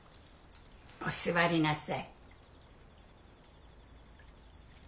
お座りなさい。